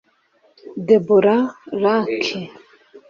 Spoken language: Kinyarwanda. Deborah Laak